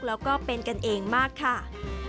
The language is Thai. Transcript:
แล้วก็เป็นกันเองมากค่ะ